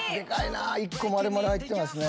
１個丸々入ってますね。